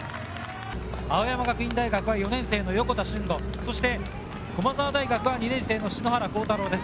青山学院大学は４年生・横田俊吾、そして駒澤大学は２年生の篠原倖太朗です。